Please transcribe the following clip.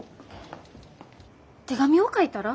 手紙を書いたら？